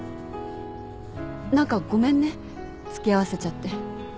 何かごめんね付き合わせちゃって。